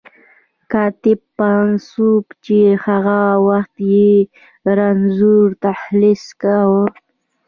کاتب پاڅون چې هغه وخت یې رنځور تخلص کاوه.